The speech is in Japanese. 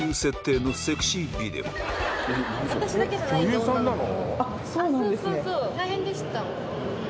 女優さんなの？